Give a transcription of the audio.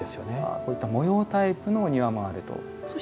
こういった模様タイプのお庭もあると。